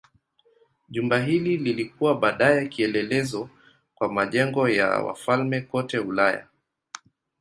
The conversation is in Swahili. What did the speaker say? Jumba hili lilikuwa baadaye kielelezo kwa majengo ya wafalme kote Ulaya.